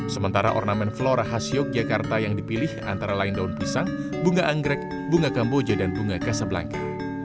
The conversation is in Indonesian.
sementara ornamen flora khas yogyakarta yang dipilih antara lain daun pisang bunga anggrek bunga kamboja dan bunga kasablangka